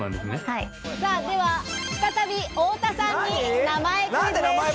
では、再び太田さんに名前クイズです。